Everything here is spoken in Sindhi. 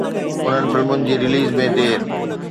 انهن فلمن جي رليز ۾ دير